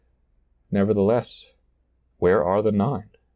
Nevertheless, " Where are the nine